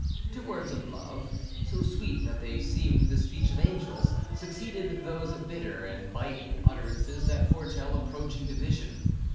To words of love, so sweet that they seemed the speech of angels, succeeded those bitter and biting utterances that foretell approaching division.